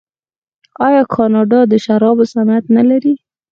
آیا کاناډا د شرابو صنعت نلري؟